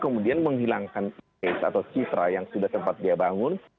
kemudian menghilangkan ais atau cisra yang sudah tempat dia bangun